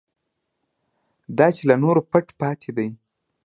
دا چې له نورو پټ پاتې دی.